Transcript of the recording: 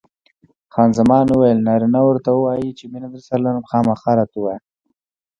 خان زمان وویل: نارینه ورته وایي چې مینه درسره لرم؟ خامخا راته ووایه.